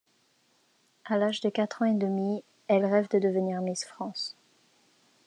À l'âge de quatre ans et demi, elle rêve de devenir Miss France.